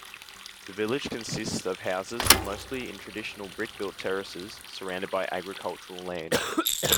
The village consists of houses, mostly in traditional brick-built terraces, surrounded by agricultural land.